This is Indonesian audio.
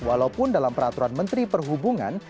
walaupun dalam peraturan menteri perhubungan